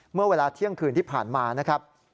เมื่อเวลาเที่ยงคืนที่ผ่านมา